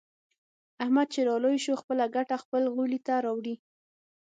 احمد چې را لوی شو. خپله ګټه خپل غولي ته راوړي.